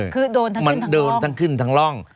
คือโดนทั้งขึ้นทั้งร่อง